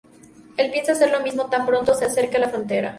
El piensa hacer lo mismo tan pronto se acerquen a la frontera.